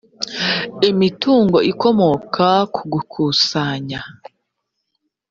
imitungo ikomoka ku gukusanya